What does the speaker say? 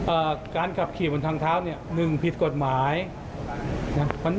การขับขี่บนทางเท้าเนี่ยหนึ่งผิดกฎหมายนะมัน